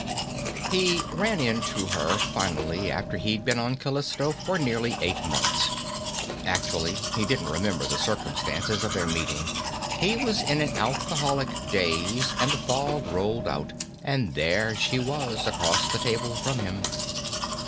He ran into her, finally, after he'd been on Callisto for nearly eight months. Actually, he didn't remember the circumstances of their meeting. He was in an alcoholic daze and the fog rolled out, and there she was across the table from him.